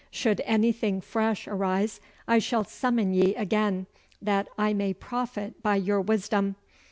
Should anything fresh arise I shall summon ye again, that I may profit by your wisdom.